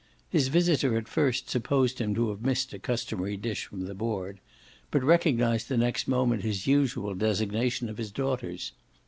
His visitor at first supposed him to have missed a customary dish from the board, but recognised the next moment his usual designation of his daughters.